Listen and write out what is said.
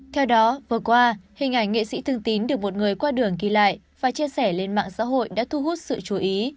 theo đó vừa qua hình ảnh nghệ sĩ thương tín được một người qua đường ghi lại và chia sẻ lên mạng xã hội đã thu hút sự chú ý